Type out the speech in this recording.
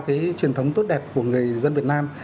cái truyền thống tốt đẹp của người dân việt nam